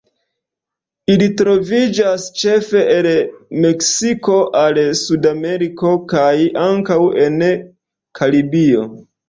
Ili troviĝas ĉefe el Meksiko al Sudameriko kaj ankaŭ en Karibio.